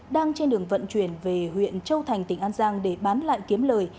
đang trên đường vận chuyển về huyện châu thành tỉnh an giang để bán lại kiếm lời